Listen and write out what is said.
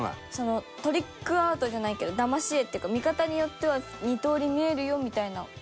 トリックアートじゃないけどだまし絵っていうか見方によっては２通り見えるよみたいな感じ？